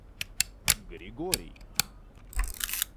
Григорий